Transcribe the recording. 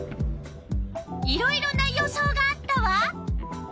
いろいろな予想があったわ。